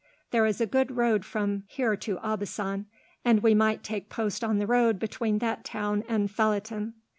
There is a good road from here to Aubusson, and we might take post on the road between that town and Felletin.